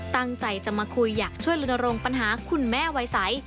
ตั้งใจจะมาคุยอยากช่วยลุนโรงปัญหาคุณแม่วัยใส